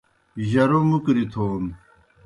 جرو مُکری تھون